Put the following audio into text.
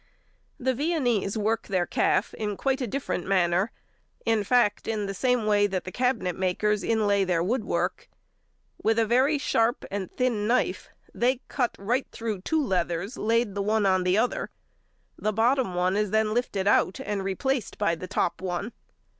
The Viennese work their calf in quite a different manner, in fact, in the same way that the cabinet makers inlay their woodwork. With a very sharp and thin knife they cut right through two leathers laid the one on the other. The bottom one is then lifted out and replaced by the top one.